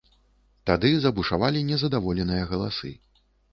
Тады забушавалі нездаволеныя галасы.